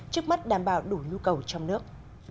trước mắt đảm bảo đủ nhu cầu trong nước